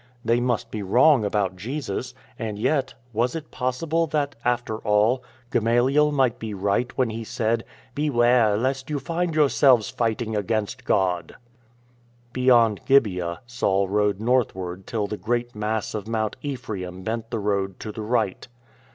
They must be wrong about Jesus — and yet, was it possible that, 70 THE GREAT ADVENTURE 77 after all, Gamaliel might be right when he said, " Be ware lest you find yourselves fighting against God "? Beyond Gibeah Saul rode northward till the great mass of Mount Ephraim bent the road to the right.